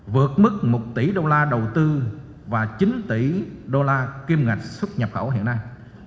vượt mức một tỷ đô la đầu tư và chín tỷ đô la kim ngạch xuất nhập khẩu hiện nay